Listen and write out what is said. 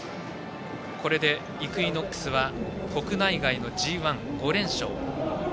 これでイクイノックスが国内外のＧＩ５連勝。